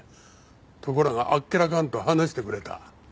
ところがあっけらかんと話してくれた。